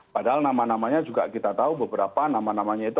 padahal nama namanya juga kita tahu beberapa nama namanya itu